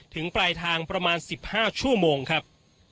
ถึงปลายทางประมาณสิบห้าชั่วโมงครับ